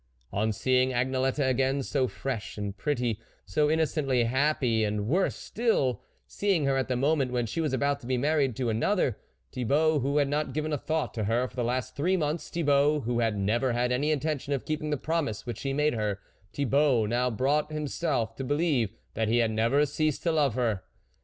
On seeing Agnelette again, so fresh and pretty, so innocently happy, and, worse still, seeing her at the moment when she was about to be married to another, Tbi bault, who had not given a thought to her for the last three month, Thibault, who had never had any intention of keeping the promise which he made her, Thibault now brought himself to believe that he had never ceased to love her.